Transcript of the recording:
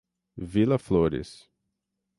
Vila Flores